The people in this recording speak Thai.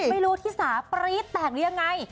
ไม่รู้ธิสาปรี๊ดแต่งอย่างไร